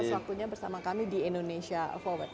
atas waktunya bersama kami di indonesia forward